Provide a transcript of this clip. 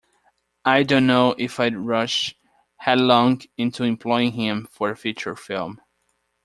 I don't know if I'd rush headlong into employing him for a future film.